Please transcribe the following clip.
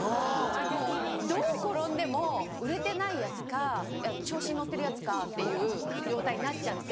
もうどう転んでも売れてないヤツか調子に乗ってるヤツかっていう状態になっちゃって。